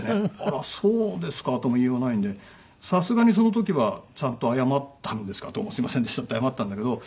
「あらそうですか」とも言いようがないのでさすがにその時はちゃんと謝ったのですが「どうもすみませんでした」って謝ったんだけど。